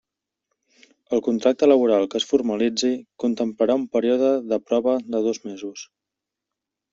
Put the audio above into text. El contracte laboral que es formalitzi contemplarà un període de prova dos mesos.